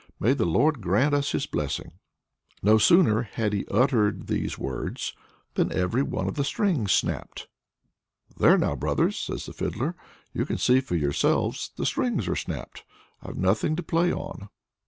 May the Lord grant us his blessing!" No sooner had he uttered these words than every one of the strings snapped. "There now, brothers!" says the Fiddler, "you can see for yourselves. The strings are snapped; I've nothing to play on!"